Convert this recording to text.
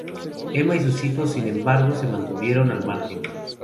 Emma y sus hijos, sin embargo, se mantuvieron al margen.